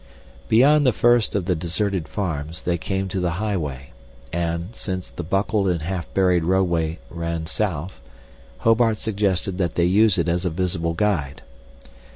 Beyond the first of the deserted farms they came to the highway and, since the buckled and half buried roadway ran south, Hobart suggested that they use it as a visible guide.